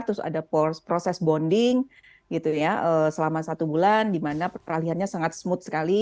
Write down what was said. terus ada proses bonding gitu ya selama satu bulan di mana peralihannya sangat smooth sekali